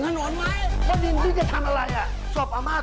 น้องมัน